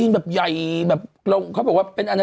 นึกออกป่ะ